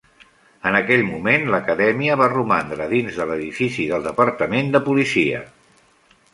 En aquell moment, l'acadèmia va romandre dins de l'edifici del departament de policia.